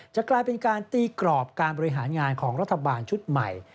จะกลายเป็นการตีกรอบการบริหารงานของรัฐบาลชุดใหม่